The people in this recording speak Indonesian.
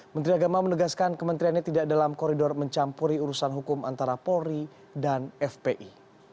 menteri agama menegaskan kementeriannya tidak dalam koridor mencampuri urusan hukum antara polri dan fpi